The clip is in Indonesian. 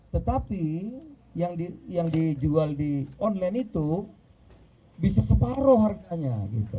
tetapi yang dijual di online itu bisa separuh harganya